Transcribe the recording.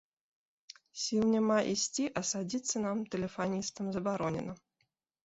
Сіл няма ісці, а садзіцца нам, тэлефаністам, забаронена.